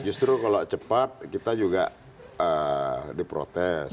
justru kalau cepat kita juga diprotes